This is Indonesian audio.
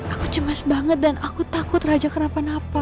aku cemas banget dan aku takut raja kenapa napa